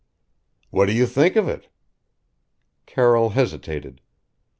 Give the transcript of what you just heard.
"What do you think of it?" Carroll hesitated.